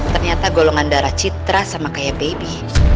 ternyata golongan darah citra sama kayak baby